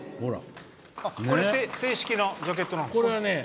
正式なジャケットなんですか？